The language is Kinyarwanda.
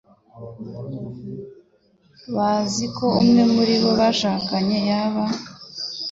bazi ko umwe muri abo bashakanye yaba